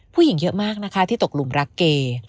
ผู้หญิงเยอะมากนะคะที่ตกหลุมรักเก